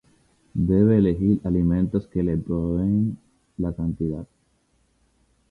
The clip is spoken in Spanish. debe elegir alimentos que le proveen la cantidad